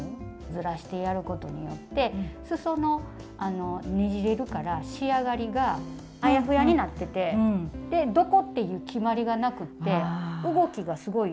ずらしてやることによってすそのねじれるから仕上がりがあやふやになっててでどこっていう決まりがなくって動きがすごい。